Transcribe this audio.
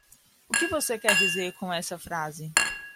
O que você quer dizer com essa frase?